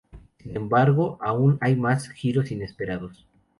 Sin embargo, aún hay más giros inesperados.